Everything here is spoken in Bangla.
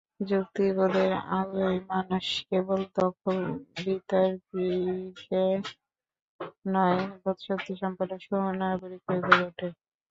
যুক্তিবোধের আলোয় মানুষ কেবল দক্ষ বিতার্কিকই নয়, বোধশক্তিসম্পন্ন সুনাগরিক হয়ে গড়ে ওঠে।